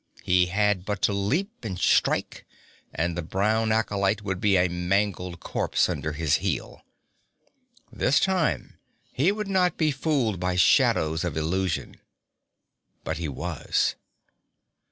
He had but to leap and strike and the brown acolyte would be a mangled corpse under his heel. This time he would not be fooled by shadows of illusion but he was.